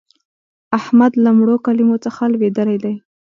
احمد له مړو کلمو څخه لوېدلی دی.